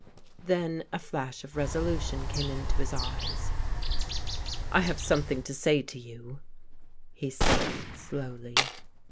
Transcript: Then a flash of resolution came into his eyes. " I have something to say to you," he said slowly.